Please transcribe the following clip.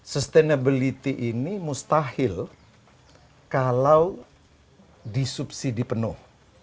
sustainability ini mustahil kalau disubsidi penuh